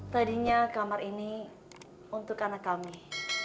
tadinya kamar ini untuk anak kami